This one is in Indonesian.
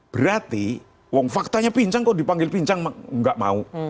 berarti wong faktanya pinjang kok dipanggil pinjang nggak mau